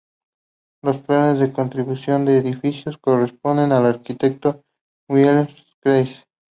Los planes de construcción del edificio corresponden al arquitecto Wilhelm Kreis.